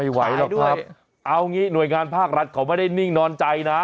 ไหวหรอกครับเอางี้หน่วยงานภาครัฐเขาไม่ได้นิ่งนอนใจนะ